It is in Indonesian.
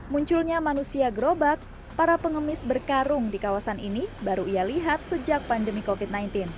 munculnya manusia gerobak para pengemis berkarung di kawasan ini baru ia lihat sejak pandemi covid sembilan belas